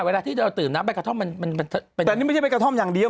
เวลาที่เราดื่มน้ำใบกระท่อมมันเป็นแต่นี่ไม่ใช่ใบกระท่อมอย่างเดียว